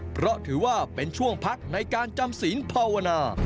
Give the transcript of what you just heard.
เพราะถือว่าเป็นช่วงพักในการจำศีลภาวนา